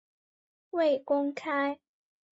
未公开